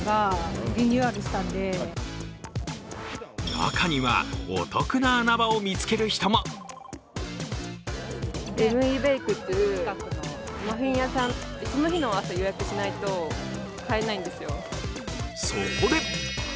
中には、お得な穴場を見つける人もそこで！